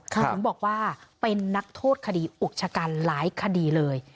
ถึงบอกว่าเป็นนักโทษคดีอุกชะกันหลายคดีเลย